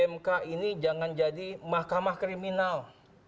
mk ini jangan jadi mahkamah kriminal